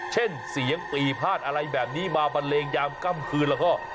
เช่นเสียงปีพาดอะไรแบบนี้มาบันเลงยามค่ำคืนแล้วก็